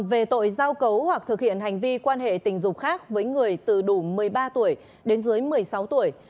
về tội giao cấu hoặc thực hiện hành vi quan hệ tình dục khác với người từ đủ một mươi ba tuổi đến dưới một mươi sáu tuổi